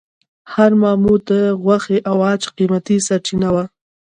هر ماموت د غوښې او عاج قیمتي سرچینه وه.